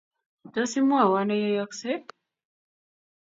Tos, imwowon ne neyeyosgei?